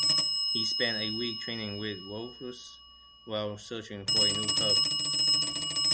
He spent a week training with Wolves while searching for a new club.